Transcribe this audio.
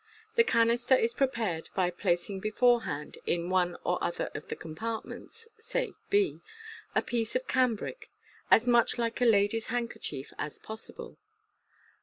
The canister is prepared by placing beforehand in one or other of the compartments, say b, a piece of cambric, as much like a lady's handkerchief as possible.